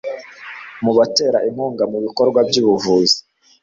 mu batera inkunga ibikorwa by'ubuvuzi